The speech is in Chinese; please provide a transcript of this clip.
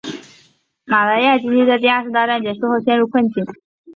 马来亚经济在二次大战结束后陷于困境。